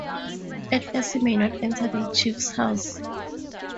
At first he may not enter the chief's house.